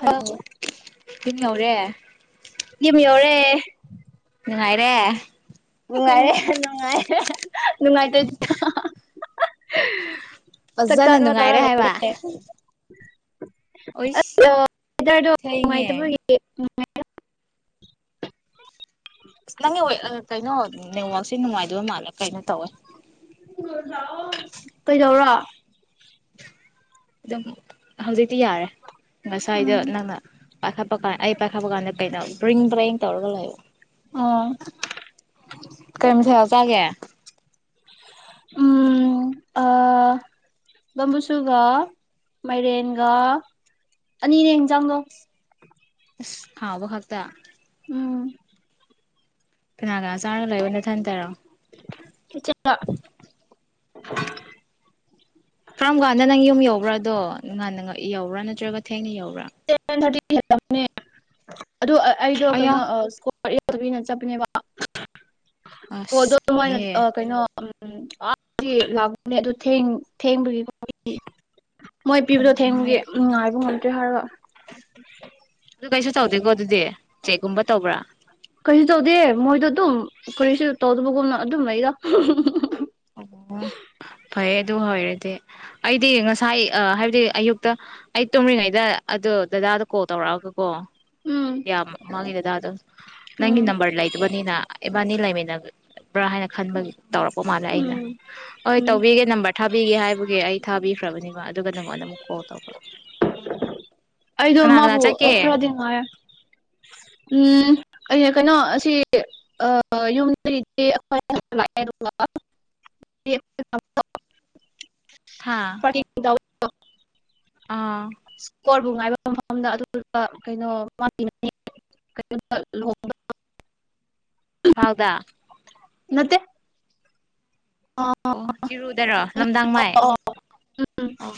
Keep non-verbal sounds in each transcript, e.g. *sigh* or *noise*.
hello ꯊꯟꯅꯧꯔꯦ ꯌꯨꯝ ꯌꯧꯔꯦ ꯉꯥꯏꯔꯦ ꯅꯨꯡꯉꯥꯏꯔꯦ ꯅꯨꯡꯉꯥꯏꯔꯦ ꯅꯨꯡꯉꯥꯏꯇꯣꯏꯗꯤꯣ *unintelligible* *inaudible* ꯐꯖꯅ ꯅꯨꯡꯉꯥꯏꯔꯦ ꯍꯥꯏꯕ ꯑ ꯑꯣꯏꯁ ꯑꯣ ꯊꯦꯡꯉꯦ ꯅꯨꯡꯉꯥꯏꯒ ꯑꯁ ꯅꯪꯒꯤ ꯀꯩꯅꯣ ꯅꯦꯠꯋꯥꯛꯛꯁꯦ ꯅꯨꯡꯉꯥꯏꯗꯣꯏ ꯃꯥꯜꯂꯦ ꯀꯩꯅꯣ ꯇꯧꯋꯦ ꯀꯩꯗꯧꯔꯣ ꯑꯗꯨꯝ ꯍꯧꯖꯤꯛꯇꯤ ꯌꯥꯔꯦ ꯉꯁ ꯍꯥꯏꯗꯦ ꯎꯝ ꯅꯪ ꯄꯥꯏꯈꯠꯄ ꯀꯥꯟ ꯑꯩ ꯄꯥꯏꯈꯠꯄ ꯀꯥꯟꯗ ꯀꯩꯅꯣ ꯔꯤꯡ ꯕ꯭ꯔꯔꯤꯡ ꯇꯧꯔꯒ ꯂꯩꯌꯣ ꯑꯣ ꯀꯃꯤ ꯊ ꯆꯒꯦ ꯎꯝ ꯕꯝꯕꯨꯁꯨꯒ ꯃꯥꯏꯔꯦꯟꯒ ꯑꯅꯤꯅꯦ ꯌꯦꯡꯟꯖꯥꯡꯗꯣ ꯑ ꯍꯥꯎꯕꯥꯛꯇ ꯎꯝ ꯄꯅꯒ ꯆꯥꯂꯕ ꯊ ꯇꯔꯣ ꯏꯆꯦꯅ ꯉꯥꯟꯅ ꯉꯛꯏ ꯌꯥꯎꯕ꯭ꯔꯥ ꯅꯠꯇ꯭ꯔꯒ ꯊꯦꯡꯅ ꯌꯎꯔꯥ ꯁꯚꯦꯟ ꯊꯔꯇꯤꯅꯦ ꯑꯗꯣ ꯑꯩꯗꯣ ꯑꯌꯥ ꯀꯩꯅꯣꯀ ꯅ ꯆꯕꯅꯦ ꯋꯥ ꯑꯣ ꯑꯁ ꯑꯗꯨꯣꯏꯅ ꯀꯤꯍꯦ ꯀꯩꯅꯣ ꯎꯝ ꯂꯥꯛꯅꯦ ꯑꯗꯨ ꯊꯦꯡꯕꯒꯤ ꯃꯣꯏ ꯄꯤꯕꯗꯣ ꯎꯝ ꯊꯦꯡꯕꯒꯤ ꯅꯨꯡꯉꯥꯏꯕ ꯉꯝ *unintelligible* *unintelligible* ꯑꯗꯨ ꯀꯩꯁꯨ ꯇꯧꯗꯦꯀꯣ ꯑꯗꯨꯗꯤ ꯆꯦꯛꯒꯨꯝꯕ ꯇꯧꯕ꯭ꯔꯥ ꯀꯔꯤꯁꯨ ꯇꯧꯗꯦ ꯃꯣꯏꯗꯣ ꯑꯗꯨꯝ ꯀꯔꯤꯁꯨ ꯇꯧꯗꯕꯒꯨꯝꯅ ꯑꯗꯨꯝ ꯂꯩ ꯑꯩꯗꯣ ꯑꯣ ꯐꯩ ꯑꯗꯨ ꯑꯣꯏꯔꯗꯤ ꯑꯩꯗꯤ ꯉꯁꯥꯏ ꯍꯥꯏꯕꯗꯤ ꯑꯌꯨꯛꯇ ꯑꯩ ꯇꯨꯝꯔꯤꯉꯩꯗ ꯑꯗꯨꯗꯣ ꯗꯗꯥꯗ ꯀꯣꯜ ꯇꯧꯔꯛꯑꯒ ꯀꯣ ꯎꯝ ꯃꯒꯤꯗꯗ ꯑꯗꯨ ꯅꯪ ꯏ ꯎꯝ ꯅꯝꯕꯔꯂꯥꯏꯨ ꯅꯤꯅ ꯃꯅꯤꯂ ꯏꯃꯤ ꯕ꯭ꯔꯥ ꯍꯥꯏꯅ ꯈꯟꯕ ꯇꯧꯔꯛꯄ ꯃꯥꯂꯦ ꯑꯩꯅ ꯎꯝ ꯍꯣꯏ ꯎꯝ ꯇꯧꯕꯤꯒꯦ ꯅꯝꯕꯔ ꯊꯥꯕꯤꯒꯦ ꯍꯥꯏꯕꯒꯤ ꯑꯩ ꯊꯥꯕꯤꯈ꯭ꯔꯕꯅꯤ ꯑꯗꯨꯒ ꯅꯪꯉꯣꯟꯗ ꯑꯃꯨꯛ ꯀꯣꯜ ꯇꯧꯕ *unintelligible* ꯑꯩꯗꯣ ꯀꯅꯥ ꯀꯅꯥ ꯃꯥꯕꯨ ꯆꯠꯀꯦ ꯈꯔꯗꯤ ꯉꯥꯏ ꯎꯝ ꯑꯩꯅ ꯀꯩꯅꯣ ꯁꯤ ꯌꯨꯝꯗ ꯂꯩꯈ ꯍꯥ *unintelligible* *unintelligible* *unintelligible* ꯑꯥ ꯀꯣꯔꯕꯨ ꯉꯥꯏꯕ ꯃꯐꯝꯗ ꯑꯗꯨꯗꯨ ꯀꯩꯅꯣꯅꯤ *unintelligible* ꯍꯥꯎꯗ ꯅꯠꯇꯦ ꯑꯣ ꯆꯤꯔꯨꯗꯔꯣ ꯂꯝꯗꯥꯡ ꯃꯥꯏ ꯑꯣ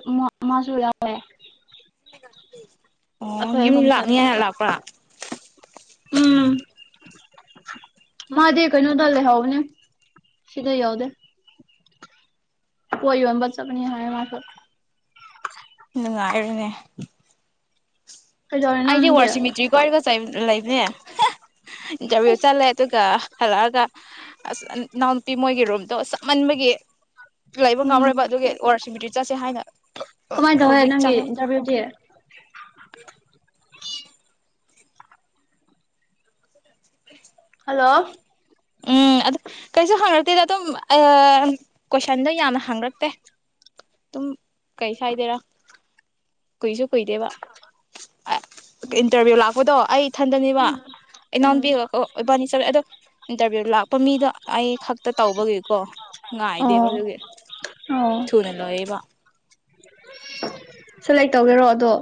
*unintelligible* *unintelligible* ꯑꯣ ꯑꯩꯈꯣꯏ ꯌꯨꯝ ꯑꯍꯨꯝ ꯆꯠꯂꯦ ꯑꯗꯣ ꯂꯥꯛꯅꯤꯉꯅ ꯂꯥꯛꯄ꯭ꯔꯥ ꯎꯝ ꯃꯥꯗꯤ ꯀꯩꯅꯣꯗ ꯂꯩꯍꯧꯕꯅꯦ ꯁꯤꯗ ꯌꯥꯎꯗꯦ ꯍꯣꯏ ꯌꯣꯟꯕ ꯆꯠꯄꯅꯤ ꯍꯥꯏ ꯃꯥꯁꯨ ꯅꯨꯡꯉꯥꯏꯔꯅꯦ ꯀꯩꯗꯧꯔꯤꯅꯣ ꯑꯩꯗꯤ ꯅꯪꯗꯤ ꯋꯥꯔꯁꯤꯃꯤꯇ꯭ꯔꯤꯒ ꯋꯥꯔꯤꯒ ꯂꯩꯕꯅꯦ ꯏꯟꯇꯔꯚꯤꯌꯨ ꯑꯁ ꯆꯠꯂꯦ ꯑꯗꯨꯒ ꯍꯜꯂꯛꯑꯒ ꯑꯁ ꯏꯅꯥꯎꯅꯨꯄꯤ ꯃꯣꯏꯒꯤ ꯔꯨꯝ ꯑꯣ ꯆꯠꯃꯟꯃꯒꯤ ꯂꯩꯕ ꯎꯝ ꯉꯝꯔꯣꯏꯕ ꯑꯗꯨꯒꯤ ꯋꯥꯔꯁꯤꯕꯤꯇꯔꯤ ꯆꯠꯁꯦ ꯍꯥꯏꯅ ꯀꯃꯥꯏꯅ ꯇꯧꯋꯦ ꯍꯧꯖꯤꯛ ꯅꯪꯒꯤ ꯆꯪꯉ ꯏꯟꯇꯔꯚꯤꯌꯨꯗꯤ *unintelligible* ꯍꯜꯂꯣ ꯎꯝ ꯑꯗꯨ ꯀꯩꯁꯨ ꯍꯥꯡꯉꯛꯇꯦꯗ ꯑꯗꯨꯝ ꯀꯣꯏꯁꯟꯗꯣ ꯌꯥꯝꯅ ꯍꯥꯡꯉꯛꯇꯦ ꯑꯗꯨꯝ ꯀꯩꯁꯨ ꯍꯥꯏꯗꯦꯔꯥ ꯀꯨꯏꯁꯨ ꯀꯨꯏꯗꯦꯕ ꯏꯟꯇꯔꯚꯤꯌꯨ ꯂꯥꯛꯄꯗꯣ ꯊꯟꯗꯅꯤꯕ ꯎꯝ ꯎꯝ ꯏꯅꯥꯎꯕꯤꯣ ꯏꯕꯥꯅꯤ ꯆꯂꯦ ꯑꯗ ꯏꯟꯇꯔꯚꯤꯌꯨ ꯂꯥꯛꯄ ꯃꯤꯗꯣ ꯑꯩ ꯈꯛꯇ ꯇꯧꯕꯒꯤꯀꯣ ꯉꯥꯏꯗꯦꯕ ꯑꯣ ꯑꯗꯨꯒꯤ ꯑꯣ ꯊꯨꯅ ꯂꯌꯦꯦꯕ ꯁꯦꯂꯦꯛ ꯇꯧꯒꯦꯔꯣ ꯑꯗꯣ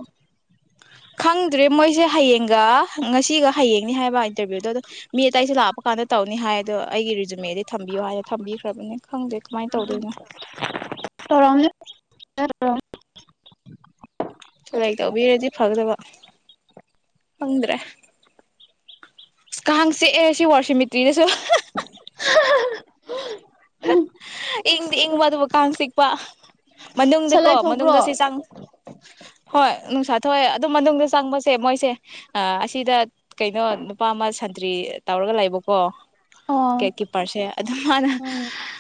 ꯈꯪꯗ꯭ꯔꯦ ꯃꯣꯏꯁꯦ ꯍꯌꯦꯡꯒ ꯉꯁꯤꯒ ꯍꯌꯦꯡꯅꯤ ꯍꯥꯏꯕ ꯏꯟꯇꯔꯚꯤꯌꯨꯗꯣ ꯑꯗꯣ ꯃꯤ ꯑꯇꯩꯁꯦ ꯂꯥꯛꯄ ꯀꯥꯟꯗ ꯇꯧꯅꯤ ꯍꯥꯏ ꯑꯗꯣ ꯑꯩꯒꯤ ꯔꯤꯖꯨꯃꯦꯗꯤ ꯊꯝꯕꯤꯌꯣ ꯍꯥꯏꯅ ꯊꯝꯕꯤꯈ꯭ꯔꯕꯅꯤ ꯎꯝ ꯇꯔꯝꯖ *inaudible* ꯆꯂꯥꯏ ꯇꯧꯕꯤꯔꯗꯤ ꯐꯈ꯭ꯔꯕ ꯍꯗ꯭ꯔꯦ ꯑ ꯀꯥꯡ ꯁꯦꯑ ꯁꯤ ꯋꯥꯔꯁꯤꯃꯤꯇ꯭ꯔꯤꯅꯁꯨ *inaudible* ꯏꯪꯗꯤ ꯏꯪꯕ ꯑꯗꯨꯕꯨ ꯀꯥꯡ ꯆꯤꯛꯄ ꯃꯅꯨꯡꯗꯀꯣ ꯁꯂꯥꯏ ꯊꯣꯛꯄ꯭ꯔꯣ ꯃꯅꯨꯡꯗ ꯆꯦ ꯆꯥꯡ ꯍꯣꯏ ꯅꯨꯡꯁꯥ ꯊꯣꯛꯑꯦ ꯑꯗꯨ ꯃꯅꯨꯡꯗ ꯆꯪꯕꯁꯦ ꯃꯣꯏꯁꯦ ꯑꯁꯤꯗ ꯀꯩꯅꯣ ꯅꯨꯄꯥ ꯑꯃ ꯁꯟꯇ꯭ꯔꯤ ꯇꯧꯔꯒ ꯂꯩꯕꯀꯣ ꯑꯣ ꯀꯦꯦꯛꯀꯤ ꯄꯔꯁꯦ ꯃꯥꯅ ꯎꯝ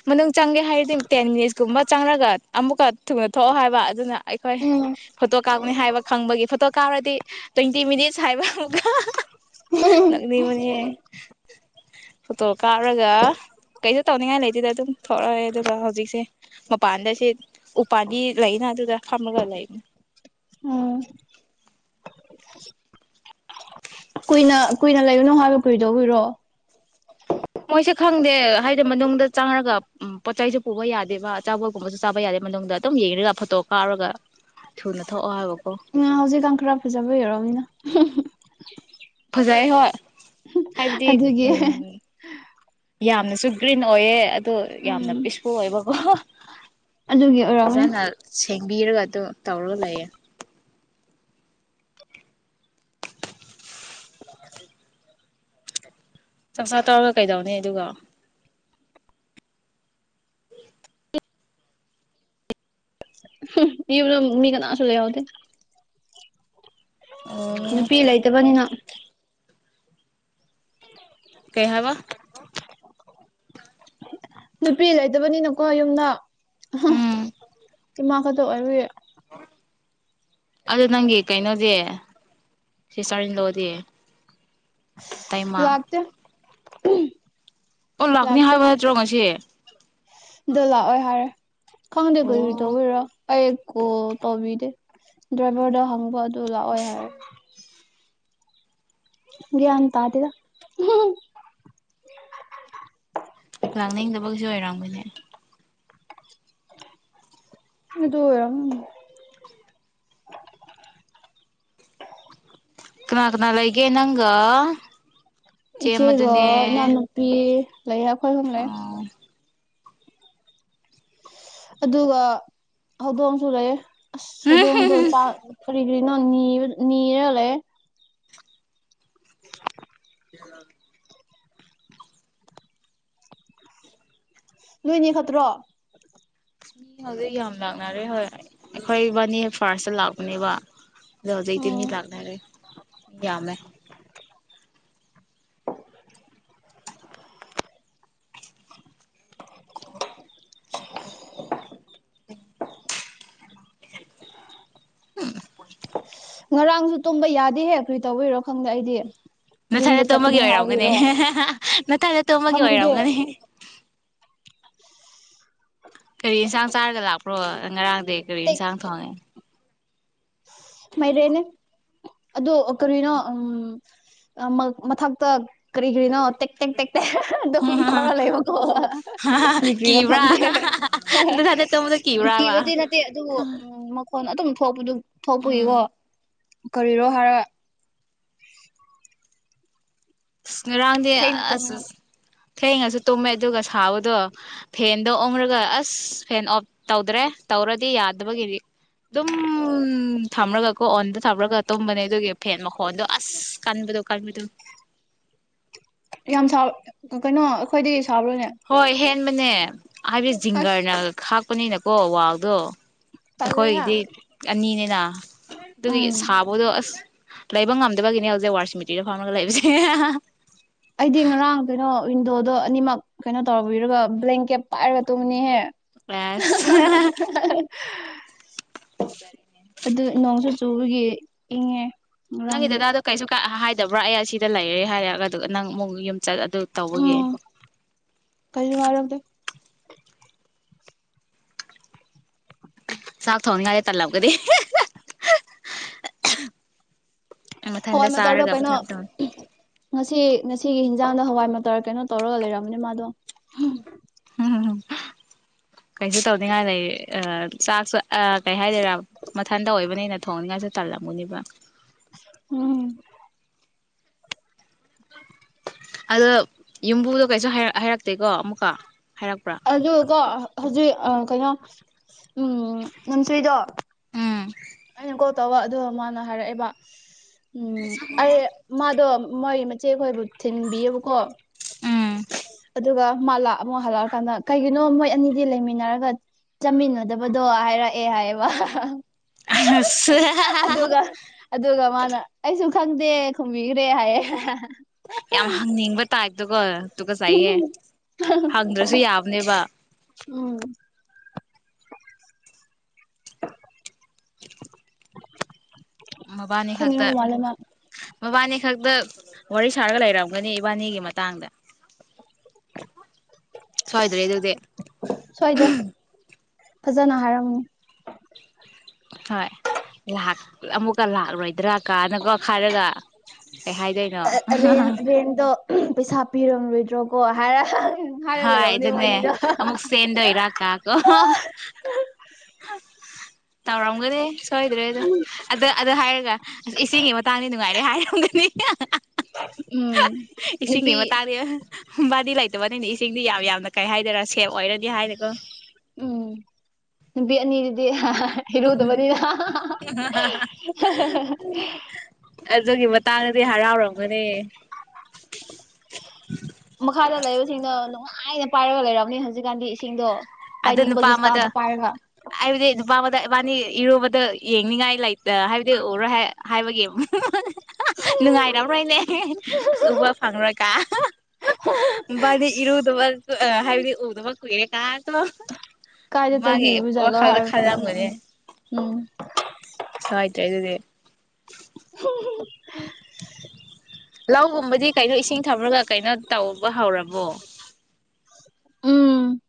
ꯃꯅꯨꯡ ꯆꯪꯒꯦ ꯍꯥꯏꯔꯗꯤ ꯇꯦꯟ ꯃꯤꯅꯤꯠꯁꯀꯨꯝꯕ ꯆꯪꯉꯒ ꯑꯃꯨꯛꯀ ꯊꯨꯅ ꯊꯣꯛꯑꯣ ꯍꯥꯏꯕ ꯑꯗꯨꯅ ꯑꯩꯈꯣꯏ ꯎꯝ ꯐꯣꯇꯣ ꯀꯥꯞꯀꯅꯤ ꯍꯥꯏꯕ ꯈꯪꯕꯒꯤ ꯐꯣꯇꯣ ꯀꯥꯎꯔꯗꯤ ꯇ꯭ꯋꯦꯟꯇꯤ ꯃꯤꯅꯤꯠꯁ ꯍꯥꯏꯕ ꯑꯃꯨ ꯂꯪꯅꯤ ꯃꯅꯦ ꯐꯣꯇꯣ ꯀꯥꯞꯔꯒ ꯀꯩꯁꯨ ꯇꯧꯅꯤꯡꯉꯥꯏ ꯂꯩꯗꯨꯗ ꯑꯗꯨꯝ ꯊꯣꯛꯂꯛꯑꯦ ꯑꯗꯨꯒ ꯍꯧꯖꯤꯛꯁꯦ ꯃꯄꯥꯟꯗ ꯁꯤ ꯎꯄꯥꯟꯗꯤ ꯂꯩꯅ ꯑꯗꯨꯗ ꯐꯝꯃꯒ ꯂꯩꯕꯅꯤ ꯎꯝ ꯀꯨꯏꯅ ꯀꯨꯏꯅ ꯂꯩꯒꯨꯅꯨ ꯍꯥꯏꯕ ꯀꯨꯏꯗꯧꯕꯤꯔꯣ ꯃꯣꯏꯁꯦ ꯈꯪꯗꯦ ꯍꯥꯏꯗꯤ ꯃꯅꯨꯡꯗ ꯆꯥꯉꯔꯒ ꯄꯣꯠꯆ ꯆꯩꯁꯨ ꯄꯨꯕ ꯌꯥꯗꯦꯕ ꯑꯆꯥꯥꯕꯣꯜꯒꯨꯝꯕꯁꯨ ꯆꯥꯕ ꯌꯥꯗꯦ ꯃꯅꯨꯡꯗ ꯑꯗꯨꯝ ꯌꯦꯡꯔꯒ ꯐꯣꯇꯣ ꯀꯥꯞꯔꯒ ꯊꯨꯅ ꯊꯣꯛꯑꯣ ꯍꯥꯏꯕꯀꯣ ꯍꯧꯖꯤꯛ ꯀꯥꯡꯪꯈꯔꯥ ꯐꯖꯕ ꯑꯣꯏꯔꯣꯅꯤꯅ ꯐꯖꯩ ꯍꯣꯏ ꯍꯥꯏꯕꯗꯤ ꯑꯗꯨꯒꯤ ꯎꯝ ꯌꯥꯝꯅ ꯁꯨꯒ꯭ꯔꯤꯟ ꯑꯣꯏꯌꯦ ꯑꯗꯨꯣ ꯌꯥꯝꯅ ꯎꯝ ꯄꯤꯁꯐꯨ ꯑꯣꯏꯕꯀꯣ ꯑꯗꯨꯒꯤ ꯑꯣꯏꯔꯛꯅꯦ ꯊꯦꯡꯕꯤꯔꯒ ꯑꯗꯨꯝ ꯇꯧꯔꯒ ꯂꯩꯌꯦꯦ ꯆꯥꯛꯆꯥꯥ ꯇꯧꯔꯒ ꯀꯩꯗꯧꯅꯤ ꯑꯗꯨꯒ ꯏꯕꯨ ꯃꯤꯀꯅ ꯑꯁꯂꯒꯗ ꯑꯣ ꯅꯨꯄꯤ ꯂꯩꯇꯕꯅꯤꯅ *inaudible* ꯀꯩ ꯍꯥꯏꯕ ꯅꯨꯄꯤ ꯂꯩꯇꯕꯅꯤꯅꯀꯣ ꯌꯨꯝꯗ ꯎꯝ *inaudible* ꯏꯃ ꯀꯗ ꯑꯣꯏ ꯑꯗꯨ ꯅꯪꯒꯤ ꯀꯩꯅꯣꯗꯤ ꯁꯤ ꯁꯥꯔꯤ ꯂꯣꯗꯤ ꯂꯥꯛꯇ *inaudible* ꯑꯣ ꯂꯥꯛꯅꯤ ꯍꯥꯏꯕ ꯍꯥꯏꯠꯇ꯭ꯔꯣ ꯉꯁꯤ ꯗꯣ ꯂꯥꯛ ꯑꯣꯏ ꯍꯥꯏꯔꯦ ꯈꯪꯗꯦ ꯑꯣ ꯑꯣꯏ ꯇꯧ ꯑꯣꯏꯔꯣ ꯑꯩ ꯀꯣꯜ ꯇꯧꯕꯤꯗꯦ ꯗ꯭ꯔꯥꯏꯚꯔꯗ ꯍꯪꯕ ꯑꯗꯨ ꯂꯥꯛꯑꯣꯏ ꯍꯥꯏꯔ ꯒꯟ ꯇꯥꯗꯗ ꯂꯥꯛꯅꯤꯡꯗꯕꯒꯤꯩꯁꯨ ꯑꯣꯏꯔꯥꯡꯕꯅꯦ ꯑꯗꯨꯗꯔꯝ ꯀꯅꯥꯀꯅꯥꯜꯒꯦ ꯅꯪ ꯏꯆꯦꯒ ꯏ ꯅꯅꯄꯤ ꯂꯩ ꯑꯩꯈꯣꯏ ꯍꯨꯝꯂꯦ ꯑꯣ ꯑꯗꯨꯒ ꯍꯧꯗꯣꯡꯁꯨ ꯂꯩ ꯑꯁ ꯍꯧꯗꯣꯡꯗꯣ ꯆꯥꯛ ꯀꯔꯤ ꯀꯔꯤꯅꯣ ꯅꯤꯔ ꯂꯩ ꯑ ꯅꯣꯏꯅꯦ ꯈꯠꯇ꯭ꯔꯣ ꯃꯤ ꯍꯧꯖꯤꯛ ꯌꯥꯝ ꯂꯥꯛꯅꯔꯦ ꯍꯣꯏ ꯑꯩꯈꯣꯏ ꯕꯥꯅꯦ ꯐꯥꯔꯁꯇ ꯂꯥꯛꯄꯅꯦꯕ ꯑꯗꯣ ꯍꯧꯖꯤꯩꯗꯤ ꯃꯤ ꯎꯝ ꯂꯥꯛꯅꯔꯦ ꯌꯥꯝꯃꯦ ꯎꯝ ꯉꯔꯥꯡꯁꯨ ꯇꯨꯝꯕ ꯌꯥꯗꯦ ꯍꯦꯛꯈꯔꯤ ꯇꯧꯕꯤꯔꯣ ꯅꯊꯗ ꯇꯣꯝꯕꯒꯤ ꯑꯣꯏꯔꯝꯒꯅꯤ ꯍꯥꯏꯕꯒꯤꯔꯣ ꯅꯊꯗ ꯇꯣꯝꯕꯒꯤ ꯈꯪꯗꯦ ꯑꯣꯏꯔꯝꯒꯅꯤ ꯄ꯭ꯔꯣ ꯉꯔꯥꯡ ꯗꯦ ꯀꯔꯤ ꯆꯥꯡ ꯊꯧꯉꯦ ꯃꯣꯏꯔꯦꯅꯦ ꯑꯗꯣ ꯀꯔꯅꯣ ꯎꯝ ꯃ ꯃꯊꯛꯇ ꯀꯔꯤ ꯀꯔꯤꯅꯣ ꯇꯦꯛ ꯇꯦꯛ ꯇꯦꯛ ꯇꯦꯛ ꯑꯗꯨꯝ ꯇꯧꯔ ꯂꯩꯕꯀꯣ ꯀꯔꯤ ꯀꯔꯤꯅꯣ ꯀꯤꯕ꯭ꯔꯥ ꯈꯪꯗꯦ ꯅꯊꯟꯗ ꯇꯨꯝꯕꯗꯣ ꯀꯤꯕ꯭ꯔꯥꯕ ꯀꯤꯕꯗꯤ ꯅꯠꯇꯦ ꯑꯗꯨꯕꯨ ꯍꯣꯏꯅ ꯑꯗꯨꯝ ꯊꯣꯛꯄꯗꯨꯝ ꯎꯝ ꯐꯄꯌꯕꯣ ꯀꯔꯣ ꯍꯥꯏꯔ *inaudible* ꯑ ꯉꯔꯥꯡꯗꯤ ꯊꯦꯡꯅ ꯑꯁ ꯇꯨꯝꯃꯤꯅ ꯊꯦꯡꯉꯁꯨ ꯇꯨꯝꯃꯦ ꯑꯗꯨꯒ ꯊꯥꯕꯗꯣ ꯐꯦꯟꯗꯣ ꯑꯣꯡꯔꯒ ꯑꯁ ꯐꯦꯟ ꯑꯣꯐ ꯇꯧꯗ꯭ꯔꯦ ꯇꯧꯔꯗꯤ ꯌꯥꯗꯕꯒꯤꯗꯤ ꯑꯗꯨꯝ ꯊꯝꯃꯒꯀꯣ ꯑꯣꯟꯗ ꯊꯝꯃꯨꯔꯒ ꯇꯨꯝꯕꯅꯦ ꯑꯗꯨꯒꯤ ꯐꯦꯟ ꯃꯈꯣꯟꯗꯣ ꯑꯁ ꯀꯟꯕꯗꯣ ꯀꯟꯕꯗꯣ ꯌꯥꯝ ꯁ ꯀꯩꯅꯣ ꯑꯩꯈꯣꯏꯗꯤ ꯊꯕꯔꯅꯦ ꯃ *unintelligible* ꯍꯥꯏꯗ ꯖꯤꯡꯒꯥꯔꯅ ꯈ ꯊꯣꯛꯄꯅꯤꯅꯀꯣ ꯋꯥꯎꯗꯣ ꯇꯜꯂꯦꯍꯦ ꯑꯩꯈꯣꯏꯒꯤꯗꯤ ꯑꯅꯤꯅꯤꯅ ꯑꯗꯨꯗꯒꯤ ꯎꯝ ꯁꯥꯕꯗꯣ ꯑꯁ ꯂꯩꯕ ꯉꯝꯗꯕꯒꯤꯅꯦ ꯍꯧꯖꯤꯛ ꯋꯥꯔꯁꯤꯃꯤꯇꯔꯤꯗ ꯐꯝꯃꯒ ꯂꯩꯕꯁꯦ ꯑꯩꯗꯤ ꯉꯔꯥꯡ ꯀꯩꯅꯣ ꯋꯤꯟꯗꯣꯗꯣ ꯑꯅꯤꯃꯛ ꯀꯩꯅꯣ ꯇꯧꯕꯤꯔꯒ ꯕ꯭ꯂꯦꯡꯀꯦꯠ ꯄꯥꯏꯔꯒ ꯇꯨꯝꯕꯅꯤꯍꯦ ꯀ꯭ꯂ꯭ꯂꯁ ꯑꯗꯨ ꯅꯣꯡꯁꯨ ꯆꯨꯕꯒꯤ ꯏꯪꯉꯦ ꯅꯪꯒꯤ ꯉꯔꯥꯡꯗꯤ ꯗꯥꯗꯗꯨ ꯀꯩꯁꯨ ꯀ ꯍꯥꯏ ꯂꯩꯗꯕ꯭ꯔꯥ ꯑꯩ ꯁꯤꯗ ꯂꯩꯔꯦ ꯍꯥꯏꯔꯒ ꯑꯗꯨꯒ ꯅꯪ ꯑꯃꯨꯛ ꯌꯨꯝ ꯆꯠ ꯑꯗꯨ ꯇꯧꯕꯒꯤ ꯎꯝ ꯀꯩꯁꯨ ꯍꯥꯏꯔꯛꯇꯦ ꯆꯥꯛ ꯊꯣꯡꯅꯤꯡꯉꯥꯏ ꯇꯜꯂꯝꯒꯅꯤ ꯃꯊꯟꯗ ꯍꯋꯥꯏ ꯃꯇꯔꯗꯨ ꯆꯥꯔꯒ ꯀꯩꯅꯣ ꯃꯊꯟꯇ ꯉꯁꯤ ꯉꯁꯤꯒꯤ ꯍꯟꯖꯥꯡꯗ ꯍꯋꯥꯏ ꯃꯥꯇꯔ ꯀꯩꯅꯣ ꯇꯧꯔꯒ ꯂꯩꯔꯝꯕꯅꯦ ꯃꯥꯗꯣ ꯎꯝ ꯀꯩꯁꯨ ꯇꯧꯅꯤꯡꯉꯥꯏ ꯂꯩ ꯆꯥꯛꯁꯨ ꯀꯩ ꯍꯥꯏꯗꯔꯥ ꯃꯊꯟꯇ ꯑꯣꯏꯕꯅꯤꯅ ꯊꯣꯡꯅꯤꯡꯉꯥꯏꯁꯨ ꯇꯜꯂꯝꯒꯅꯤꯑꯦꯕ ꯎꯝ ꯑꯗꯣ ꯌꯨꯝꯕꯨꯗꯣ ꯀꯩꯁꯨ ꯍꯥꯏꯔꯛꯇꯦꯀꯣ ꯑꯃꯨꯛꯀ ꯍꯥꯏꯔꯛꯄ꯭ꯔꯥ ꯑꯗꯨꯀꯣ ꯍꯧꯖꯤꯛ ꯀꯩꯅꯣ ꯎꯝ ꯅꯝꯆꯨꯔꯤꯗꯣ ꯑꯝ ꯑꯩꯅ ꯀꯣꯜ ꯇꯧꯕ ꯑꯗꯨꯒ ꯃꯥꯅ ꯍꯥꯏꯔꯛꯑꯦꯕ ꯎꯝ ꯑꯩ ꯃꯥꯗꯣ ꯃꯣꯏ ꯆꯦ ꯈꯣꯏꯕꯥꯎ ꯊꯤꯟꯕꯤꯌꯦꯕꯀꯣ ꯎꯝ ꯑꯗꯨꯒ ꯃꯥꯂꯥ ꯑꯃꯨꯛ ꯍꯜꯂꯛꯑꯀꯥꯟꯗ ꯀꯩꯒꯤꯅꯣ ꯃꯣꯏ ꯑꯅꯤꯗꯤ ꯂꯩꯃꯤꯟꯅꯔꯒ ꯆꯥꯃꯤꯟꯅꯗꯕꯗꯣ ꯍꯥꯏꯔꯛꯑꯦ ꯍꯥꯏꯌꯦꯕ ꯑꯁ ꯑꯗꯨꯒ ꯑꯗꯨꯒ ꯃꯥ ꯑꯩꯁꯨ ꯈꯪꯗꯦ ꯈꯨꯝꯕꯤꯈ꯭ꯔꯦ ꯍꯥꯏꯌꯦ ꯌꯥꯝ ꯍꯪꯅꯤꯡꯕ ꯇꯥꯏꯞꯇꯥꯀꯣ ꯇꯨꯒꯠꯆꯩꯑꯦ ꯍꯪꯗ꯭ꯔꯁꯨ ꯌꯥꯕꯅꯦꯕ ꯎꯝ *inaudible* *inaudible* ꯃꯕꯥꯅꯤ ꯈꯛꯇ ꯈꯪꯅꯤꯡꯕ ꯃꯥꯜꯂꯦ ꯃꯥ ꯃꯕꯥꯅꯤ ꯈꯛꯇ ꯋꯥꯔꯤ ꯁꯥꯔꯒ ꯂꯩꯔꯝꯒꯅꯤ ꯏꯕꯥꯅꯤꯒꯤ ꯃꯇꯥꯡꯗ ꯁꯣꯏꯗ꯭ꯔꯦ ꯑꯗꯨꯗꯤ ꯁꯣꯏꯗ꯭ꯔꯦ ꯐꯖꯅ ꯍꯥꯏꯔꯝꯅꯤ ꯍꯣꯏ ꯂꯥꯛ ꯑꯃꯨꯛꯀ ꯂꯥꯛꯑꯔꯣꯏꯗ꯭ꯔꯥ ꯀꯥ ꯅꯀꯣ ꯍꯥꯏꯔꯒ ꯀꯩ ꯍꯥꯏꯗꯣꯏꯅꯣ ꯔꯦꯟ ꯔꯦꯟꯗꯣ ꯄꯩꯁꯥ ꯄꯤꯔꯝꯔꯣꯏꯗ꯭ꯔꯣꯀꯣ ꯍꯥꯏꯔ ꯍꯥꯏꯔ ꯍꯣꯏ ꯂꯩꯔꯝꯅꯤ ꯏꯗꯨꯅꯦ ꯃꯣꯏꯅꯤꯗꯣ ꯑꯃꯨꯛ ꯁꯦꯟꯗꯣꯢꯔ ꯀꯥꯀꯣ ꯇꯧꯔꯝ ꯃꯅꯦ ꯁꯣꯏꯗ꯭ꯔꯦ ꯑꯗ ꯑꯗ ꯑꯗ ꯍꯥꯏꯔꯒ ꯑꯁ ꯏꯁꯤꯡꯒꯤ ꯃꯇꯥꯡꯗꯤ ꯅꯨꯡꯉꯥꯏꯔꯦ ꯍꯥꯏꯔꯝꯒꯅꯤ ꯎꯝ ꯏꯁꯤꯡꯒꯤ ꯅꯨꯄꯤ ꯃꯇꯥꯡꯗꯤ ꯕꯥꯗꯤ ꯂꯩꯇ ꯇꯕꯅꯤꯗꯤ ꯏꯁꯤꯡꯗꯤ ꯌꯥꯝꯅ ꯀꯩ ꯍꯥꯏꯗꯣꯏꯔꯥ ꯁꯦꯞ ꯑꯣꯏꯔꯗꯤ ꯍꯥꯏꯔꯦꯀꯣ ꯎꯝ ꯅꯨꯕꯤ ꯑꯅꯤꯗꯨꯗꯤ ꯍꯥꯍꯥꯍꯥ ꯍꯔꯗ ꯃꯅꯤꯗ ꯍꯥꯍꯥꯍꯍꯥ ꯑꯗꯨꯒꯤ ꯃꯇꯥꯡꯗꯗꯤ ꯍꯔꯥꯎꯔꯝꯒꯅꯤ ꯃꯈꯥꯗ ꯂꯩꯕꯁꯤꯡꯅ ꯅꯨꯡꯉꯥꯏꯅ ꯄꯥꯏꯔꯒ ꯂꯩꯔꯝꯅꯤ ꯍꯧꯖꯤꯛꯀꯥꯟꯗꯤ ꯏꯁꯤꯡꯗꯣ ꯑꯗꯨ ꯅꯨꯄꯥ ꯄꯥꯏꯅꯤꯡꯕꯒꯤ ꯑꯃꯗ ꯏꯁꯇꯥꯜꯗ ꯄꯥꯏꯔꯒ ꯍꯥꯏꯕꯗꯤ ꯅꯨꯄꯥ ꯑꯃꯗ ꯏꯕꯥꯅꯤ ꯏꯔꯨꯕꯗ ꯑꯗ ꯌꯦꯡꯅꯤꯡꯉꯥꯏ ꯂꯩꯇ ꯍꯥꯏꯕꯗꯤ ꯑꯣꯏꯔꯣꯏ ꯍꯥꯏꯕꯒꯤ ꯅꯨꯡꯉꯥꯏꯔꯝꯔꯣꯏꯅꯦ ꯑꯁ ꯎꯕ ꯐꯪꯉꯨꯔꯀꯥꯕꯥꯗꯤ ꯏꯔꯨꯗꯕ ꯍꯥꯏꯕꯗꯤ ꯎꯗꯨꯕ ꯀꯨꯏꯔꯦ ꯇꯥꯥꯛ ꯀꯥꯏꯗ ꯆꯠꯈꯤꯕꯖꯥꯠꯂ ꯋꯥꯈꯜꯗ ꯍꯥꯔ ꯈꯜꯂꯝꯒꯅꯤ ꯈꯂꯝꯒꯅꯤ ꯎꯝ ꯁꯣꯏꯗ꯭ꯔꯦ ꯑꯗꯨꯗꯤ ꯂꯧꯒꯨꯝꯕꯗꯤ ꯀꯩꯅꯣ ꯏꯁꯤꯡ ꯊꯝꯨꯔꯒ ꯀꯩꯅꯣ ꯇꯧꯕ ꯍꯧꯔꯕꯣ ꯎꯝ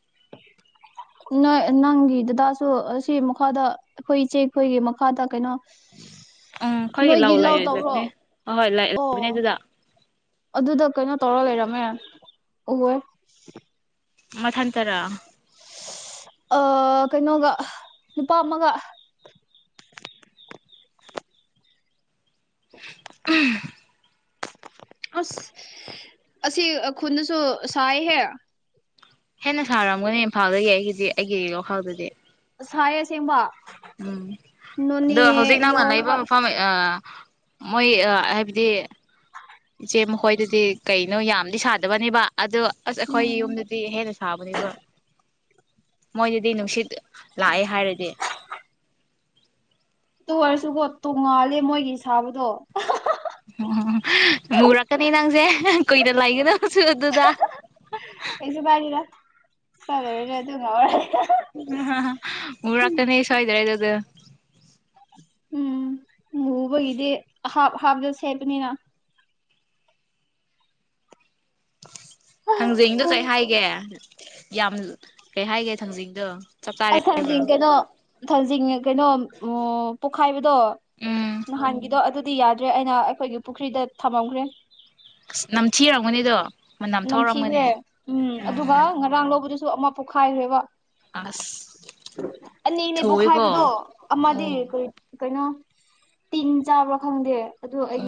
ꯅꯣꯏ ꯅꯪꯒꯤ ꯗꯗꯥꯁꯨ ꯑꯁꯤ ꯃꯈꯥꯗ ꯑꯩꯈꯣꯏ ꯏꯆꯦꯈꯣꯏꯒꯤ ꯃꯈꯥꯗ ꯀꯩꯅꯣ ꯎꯝ ꯑꯩꯈꯣꯏꯒꯤ ꯅꯣꯏꯒꯤ ꯂꯧ ꯂꯥꯎ ꯇꯧꯔꯣ ꯂꯩꯔꯣꯏꯗꯕꯅꯦ ꯑꯍꯣꯏ ꯑꯣ ꯂꯩꯕꯅꯦ ꯑꯗꯨꯗ ꯑꯗꯨꯗ ꯀꯩꯅꯣ ꯇꯧꯔ ꯂꯩꯔꯕ ꯃ ꯎꯍ ꯃꯊꯟꯇꯔ ꯑ ꯀꯩꯅꯣꯒ ꯅꯨꯄꯥ ꯑꯃꯒ ꯎ ꯑꯁ ꯑꯁꯤ ꯈꯨꯟꯗꯁꯨ ꯁꯥꯏꯍꯦ ꯍꯦꯟꯅ ꯁꯥꯔꯝꯒꯅꯤ ꯏꯝꯐꯥꯜꯗꯒꯤ ꯑꯩꯒꯤꯗꯤ ꯑꯩꯒꯤ ꯋꯥꯈꯜꯗꯗꯤ ꯁꯥꯏ ꯁꯦꯡꯕ ꯎꯝ ꯑꯗꯣ ꯍꯧꯖꯤꯛ ꯅꯪꯅ ꯂꯩꯕ ꯌꯧꯔꯒ ꯃꯐꯝ ꯑ ꯃꯣꯏ ꯍꯥꯏꯕꯗꯤ ꯏꯆꯦ ꯃꯈꯣꯏꯗꯨꯗꯤ ꯀꯩꯅꯣ ꯌꯥꯝꯗꯤ ꯁꯥꯗꯕꯅꯦꯕ ꯑꯗꯣ ꯑꯁ ꯑꯩꯈꯣꯏ ꯎꯝ ꯌꯨꯝꯗꯗꯤ ꯍꯦꯟꯅ ꯁꯥꯕꯅꯦꯕ ꯃꯣꯏꯗꯗꯤ ꯅꯨꯡꯁꯤꯠ ꯂꯥꯛꯑꯦ ꯍꯥꯏꯔꯗꯤ ꯑꯗꯨ ꯑꯣꯏꯔꯁꯨꯀꯣ ꯇꯣꯡꯉꯥꯜꯂꯦ ꯃꯣꯏꯒꯤ ꯁꯥꯕꯗꯣ ꯎ ꯃꯨꯔꯛꯀꯅꯤ ꯅꯪꯁꯦ ꯀꯨꯏꯅ ꯂꯩꯒꯗꯕꯁꯨ ꯑꯗꯨꯗ ꯆꯂꯦ ꯑꯗꯨꯔ ꯍꯥꯍꯥꯍꯥ ꯃꯨꯔꯛꯀꯅꯤ ꯁꯣꯢꯗ꯭ꯔꯦ ꯗ ꯎꯝ ꯃꯨꯕꯒꯤꯗꯤ ꯍꯥꯞ ꯍꯥꯞ ꯗ ꯁꯦꯝꯕꯅꯤꯅ ꯊꯥꯡꯖꯤꯡꯗꯨ ꯀꯩ ꯍꯥꯏꯒꯦ ꯌꯥꯝ ꯆꯞ ꯆꯥꯔꯦ ꯑ ꯍꯥꯏꯕ꯭ꯔꯣ ꯊꯥꯡꯖꯤꯡ ꯀꯩꯅꯣ ꯊꯛꯖꯤꯡ ꯀꯩꯅꯣ ꯑꯣ ꯄꯣꯈꯥꯏꯕ ꯑꯗꯣ ꯎꯝ ꯅꯍꯥꯟꯒꯤꯗꯣ ꯑꯗꯨ ꯗꯤ ꯌꯥꯗ꯭ꯔꯦ ꯑꯩꯅ ꯑꯩꯈꯣꯏꯒꯤ ꯄꯨꯈ꯭ꯔꯤꯗ ꯊꯝꯃꯝꯈ꯭ꯔꯦ ꯅꯝꯊꯤꯔꯝꯒꯅꯤꯗꯣ ꯃꯅꯝ ꯊꯣꯛꯔꯝꯒꯅꯤ ꯅꯝꯊꯤꯈ꯭ꯔꯦ ꯎꯝ ꯑꯗꯨꯒ ꯉꯔꯥꯡ ꯂꯧꯕꯗꯨꯁꯨ ꯑꯃ ꯄꯣꯈꯥꯏꯈ꯭ꯔꯦꯕ ꯑꯁ ꯑꯅꯤꯅꯦ ꯊꯨꯋꯦꯀꯣ ꯄꯣꯛꯈꯥꯏꯕꯗꯣ ꯑꯃꯗꯤ ꯑꯣ ꯀꯔꯤ ꯀꯩꯅꯣ ꯇꯤꯟ ꯆꯥꯕ꯭ꯔꯥ ꯈꯪꯗꯦ ꯑꯗꯣ ꯑꯩꯒꯤ